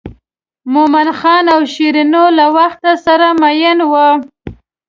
مومن خان او شیرینو له وخته سره مئین وو.